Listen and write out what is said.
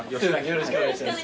よろしくお願いします。